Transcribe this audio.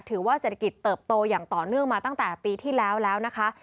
ถือว่าเศรษฐกิจเติบโตอย่างต่อเนื่องมาตั้งแต่ปีที่แล้วแล้วนะคะ